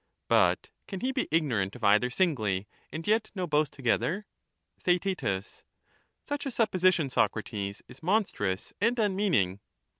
But can he be ignorant of either singly and yet know both together ? Theaet, Such a supposition, Socrates, is monstrous and unmeaning.